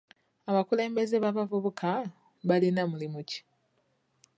Abakulembeze b'abavuvuka balina muli ki?